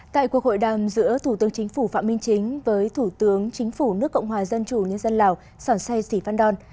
tại cuộc hội đàm giữa thủ tướng chính phủ phạm minh chính với thủ tướng chính phủ nước cộng hòa dân chủ nhân dân lào sòn say sì phan đòn